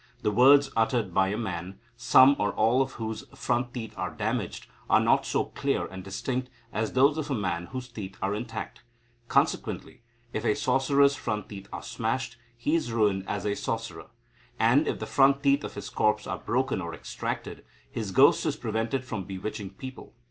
The words uttered by a man, some or all of whose front teeth are damaged, are not so clear and distinct as those of a man whose teeth are intact. Consequently, if a sorcerer's front teeth are smashed, he is ruined as a sorcerer. And, if the front teeth of his corpse are broken or extracted, his ghost is prevented from bewitching people.